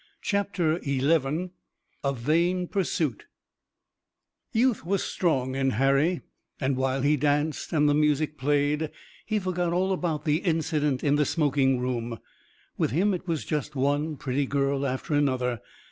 CHAPTER XI A VAIN PURSUIT Youth was strong in Harry, and, while he danced and the music played, he forgot all about the incident in the smoking room. With him it was just one pretty girl after another.